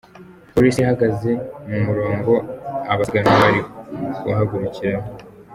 Police ihagaze mu murongo abasiganwa bari guhagurukiraho.